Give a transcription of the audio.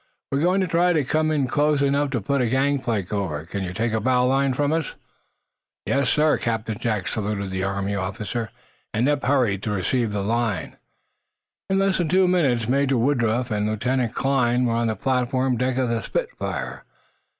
"We're going to try to come in close enough to put a gang plank over. Can you take a bow line from us?" "Yes, sir," Captain Jack saluted the Army officer, and Eph hurried to receive the line. In less than two minutes Major Woodruff and Lieutenant Kline were on the platform deck of the "Spitfire."